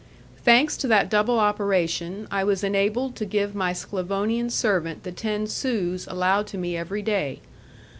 Thanks to that double operation, I was enabled to give my Sclavonian servant the ten sous allowed to me every day.